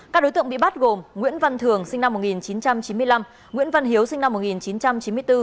các đối tượng bị bắt gồm nguyễn văn thường sinh năm một nghìn chín trăm chín mươi năm nguyễn văn hiếu sinh năm một nghìn chín trăm chín mươi bốn